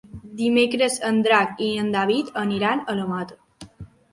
Dimecres en Drac i en David aniran a la Mata.